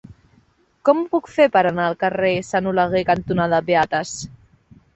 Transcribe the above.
Com ho puc fer per anar al carrer Sant Oleguer cantonada Beates?